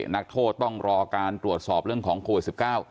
นักโทษต้องรอการตรวจสอบเรื่องของโควิด๑๙